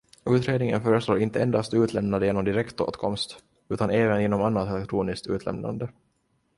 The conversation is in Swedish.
Utredningen föreslår inte endast utlämnande genom direktåtkomst, utan även genom annat elektroniskt utlämnande.